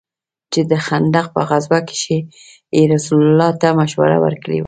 چې د خندق په غزوه كښې يې رسول الله ته مشوره وركړې وه.